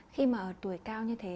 khi mà tuổi cao như thế